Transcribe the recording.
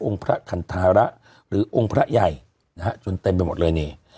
พระขันธาระหรือองค์พระใหญ่นะฮะจนเต็มไปหมดเลยนี่